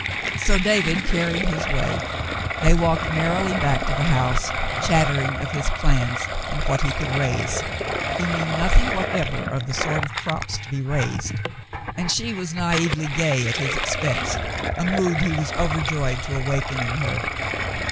So David carried his way. They walked merrily back to the house, chattering of his plans and what he would raise. He knew nothing whatever of the sort of crops to The Voices 119 be raised, and she was naively gay at his expense, a mood he was overjoyed to awaken in her.